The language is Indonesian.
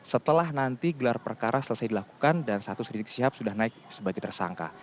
setelah nanti gelar perkara selesai dilakukan dan status rizik sihab sudah naik sebagai tersangka